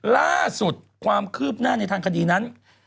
ล่าสุดความคืบหน้าในทางคดีนั้น